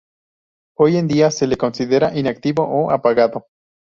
Hoy en día se le considera inactivo o apagado.